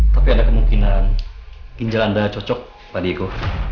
tapi ada kemungkinan ginjal anda cocok pak diego